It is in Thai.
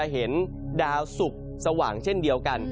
เห็นดาวสุกสว่างเช่นเดียวกัน